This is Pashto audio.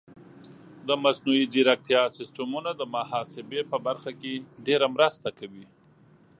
د مصنوعي ځیرکتیا سیستمونه د محاسبې په برخه کې ډېره مرسته کوي.